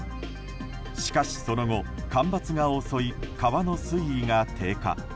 しかし、その後干ばつが襲い、川の水位が低下。